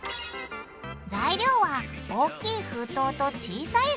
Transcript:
材料は大きい封筒と小さい封筒。